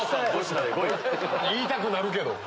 言いたくなるけど。